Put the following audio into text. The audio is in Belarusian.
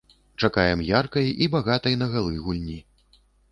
Чакаем яркай і багатай на галы гульні.